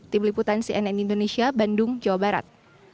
tim liputan cnn indonesia bandung jawa barat